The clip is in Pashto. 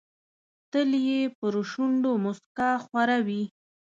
تل یې پر شونډو موسکا خوره وي.